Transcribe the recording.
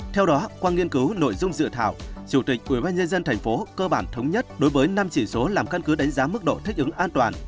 theo đó qua nghiên cứu nội dung dự thảo chủ tịch ubnd tp cơ bản thống nhất đối với năm chỉ số làm căn cứ đánh giá mức độ thích ứng an toàn